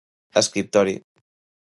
Escriptori.